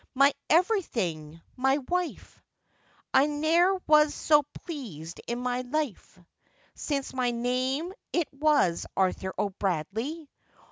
My everything! my wife! I ne'er was so pleased in my life, Since my name it was Arthur O'Bradley!